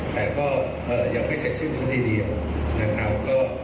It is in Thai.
แม้ว่าว่าจะมีสุสีเดียวนะครับ